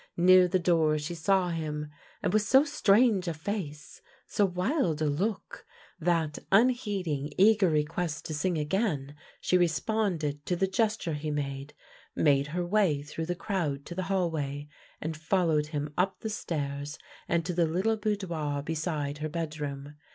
Near the door she saw him, and with so strange a face, so wild a look, that, unheeding eager requests to sing again, she responded to the gesture he made, made her way through the crowd to the hall way, and followed him up the stairs, and to the little boudoir beside her bed room.